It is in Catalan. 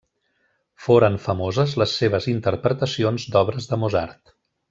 Foren famoses les seves interpretacions d'obres de Mozart.